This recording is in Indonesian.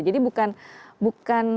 jadi bukan bukan